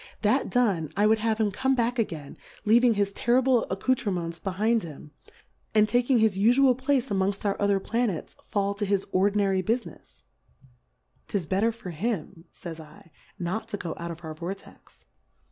That done, I would have him come back again, leaving his terrible Accou terments behind him, and taking his ufual Place amongft our other Planets, fall to his ordinary Bufinefs. 'Tis bet ter for him, fays /, not to go out of our Vortex.